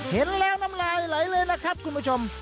เห็นแล้วน้ำลายไหลเลยล่ะครับคุณผู้ชม